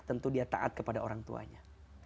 tentu dia taat kepada orang tuanya